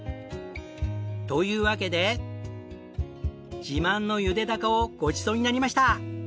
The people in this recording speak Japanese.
というわけで自慢の茹でダコをごちそうになりました！